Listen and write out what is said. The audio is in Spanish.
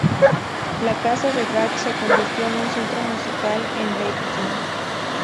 La casa de Bach se convirtió en un centro musical en Leipzig.